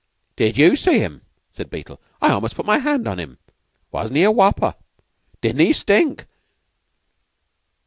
"Did you see him?" said Beetle. "I almost put my hand on him. Wasn't he a wopper! Didn't he stink!